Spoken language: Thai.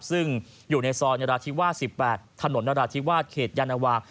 ซึ่งอยู่ในซอยนราธิวาส๑๘ถนนนราธิวาสเขตยานวา